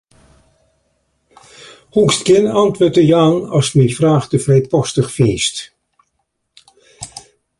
Hoechst gjin antwurd te jaan ast myn fraach te frijpostich fynst.